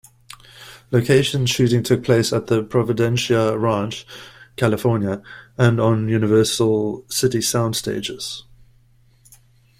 Location shooting took place at Providencia Ranch, California, and on Universal City sound stages.